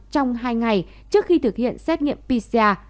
trong hai ngày trước khi thực hiện xét nghiệm pcr